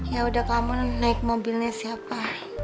ya udah kamu naik mobilnya siapa